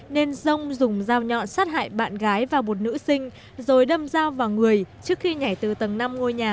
nên dông dùng dao nhọn sát hại bạn gái và một nữ sinh rồi đâm dao vào người trước khi nhảy từ tầng năm ngôi nhà